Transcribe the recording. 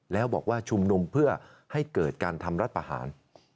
แล้วบอกว่าชุมนุมเพื่อให้เกิดการทำรัฐประหาร